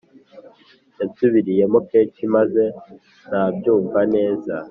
yansubiriyemo kenshi maze sinabyumva neza.